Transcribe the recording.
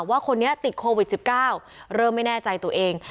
ว่าคนนี้ติดโควิด๑๙เริ่มไม่แน่ใจตัวเอง